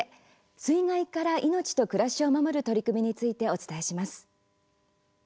水害から命と暮らしを守る取り組みについてお伝えします。